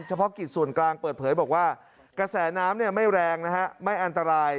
เฉพาะกิจส่วนกลางเปิดเผยบอกว่ากระแสน้ำไม่แรงนะฮะไม่อันตราย